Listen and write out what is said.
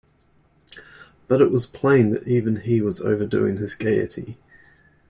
But it was plain that even he was overdoing his gaiety.